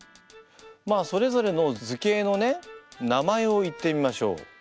まあそれぞれの図形のね名前を言ってみましょう。